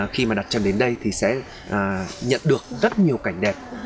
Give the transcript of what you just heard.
khi mà đặt chân đến đây thì sẽ nhận được rất nhiều cảnh đẹp